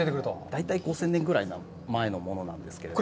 大体５０００年ぐらい前のものなんですけれども。